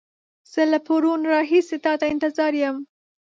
زه له پرون راهيسې تا ته انتظار يم.